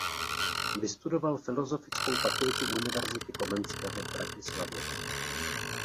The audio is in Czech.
Vystudoval Filozofickou fakultu Univerzity Komenského v Bratislavě.